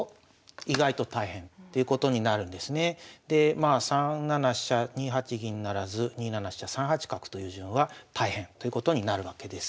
まあ３七飛車２八銀不成２七飛車３八角という順は大変ということになるわけです。